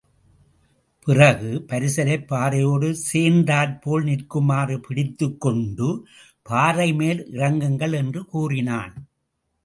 பிறகு, பரிசலைப் பாறையோடு சேர்ந்தாற்போல் நிற்குமாறு பிடித்துக்கொண்டு, பாறை மேல் இறங்குங்கள் என்று கூறினான்.